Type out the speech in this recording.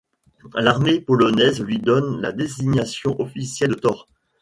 L'armée polonaise lui donne la désignation officielle de Tor.